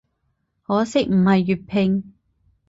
可惜唔係粵拼